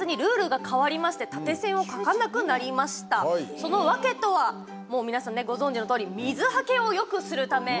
その訳とはもう皆さん、ご存じのとおり水はけをよくするため。